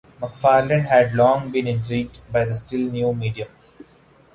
McFarland had long been intrigued by the still-new medium.